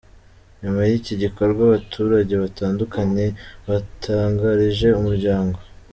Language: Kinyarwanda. Nyuma y’iki gikorwa, Abaturage batandukanye batangarije Umuryango.